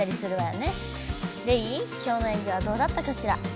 レイきょうの演技はどうだったかしら？